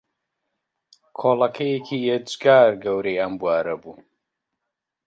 کۆڵەکەیەکی ئێجگار گەورەی ئەم بوارە بوو